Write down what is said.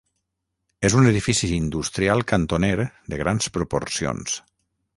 És un edifici industrial cantoner de grans proporcions.